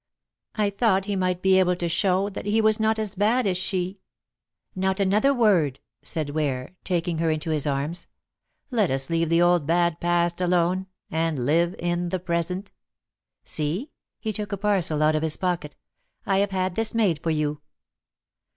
I thought he might be able to show that he was not so bad as she " "Not another word," said Ware, taking her in his arms. "Let us leave the old bad past alone, and live in the present. See" he took a parcel out of his pocket "I have had this made for you."